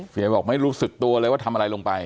บอกไม่รู้สึกตัวเลยว่าทำอะไรลงไป